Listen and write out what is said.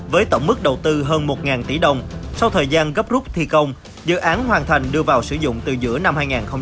với tổng mức đầu tư hơn một tỷ đồng sau thời gian gấp rút thi công dự án hoàn thành đưa vào sử dụng từ giữa năm hai nghìn một mươi sáu